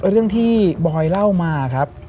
เรื่องที่บอยเล่ามาครับ